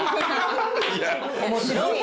面白い。